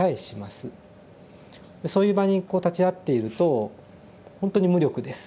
そういう場にこう立ち会っているとほんとに無力です